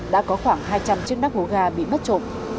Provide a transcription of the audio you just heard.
đã có khoảng hai trăm linh chiếc nắp hố ga bị mất trộm